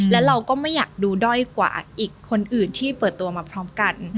และเราก็ไม่อยากดูด้อยกว่าอีกคนอื่นที่เปิดตัวมาพร้อมกัน